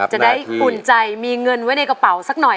จะได้อุ่นใจมีเงินไว้ในกระเป๋าสักหน่อย